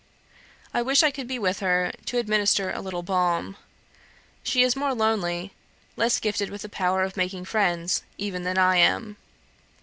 I wish I could be with her, to administer a little balm. She is more lonely less gifted with the power of making friends, even than I am.